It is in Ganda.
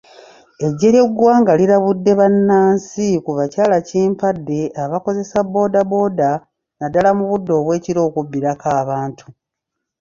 Eggye ly'eggwanga lirabudde bannansi ku bakyalakimpadde abakozesa boodabooda naddala mu budde obw'ekiro okubbirako abantu.